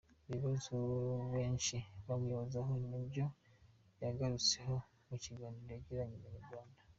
Ibibazo benshi bamwibazaho nibyo yagarutseho mu kiganiro yagiranye na inyarwanda.